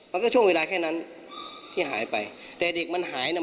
ช่วงเวลาแค่นั้นที่หายไปแต่เด็กมันหายเนี่ย